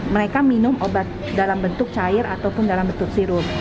mereka minum obat dalam bentuk cair ataupun dalam bentuk sirup